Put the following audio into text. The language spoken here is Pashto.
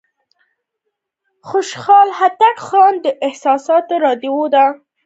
نو د خوشګوار حېرت د احساس سره